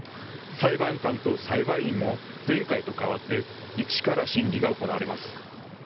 裁判官と裁判員も前回と変わって一から審理が行われます。